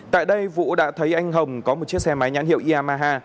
tại đây vũ đã thấy anh hồng có một chiếc xe máy nhãn hiệu iamaha